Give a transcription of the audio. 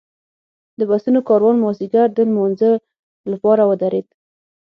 د بسونو کاروان مازیګر د لمانځه لپاره ودرېد.